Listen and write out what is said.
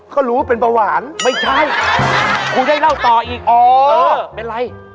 เขารู้ว่าเป็นประหว่านไม่ใช่ครูได้เล่าต่ออีกเป็นอะไรอ๋อ